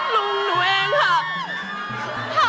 ลุงหนูเองค่ะ